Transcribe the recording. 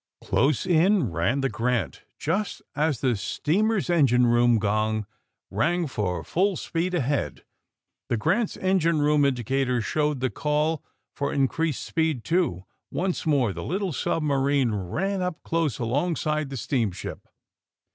Close in ran the Grant," just as the steam er's engine room gong rang for full speed ahead. The ^* Grant's" engine room indicator showed the call for increased speed, too. Once more the little submarine ran up close alongside the steamship.